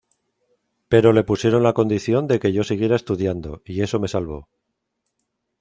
Pero le pusieron la condición de que yo siguiera estudiando, y eso me salvó.